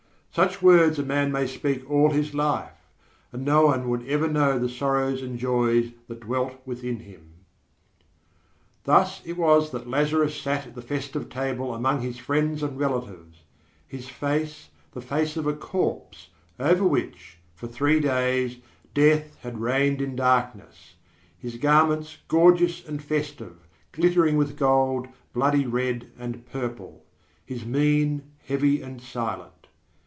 Such words a man may speak all his life and no one would ever know the sorrows and joys that dwelt within him. Thus it was that Lazarus sat at the festive table among his friends and relatives his face the face of a corpse over which, for three days, death had reigned in darkness, his garments gorgeous and festive, glittering with gold, bloody red and purple; his mien heavy and silent.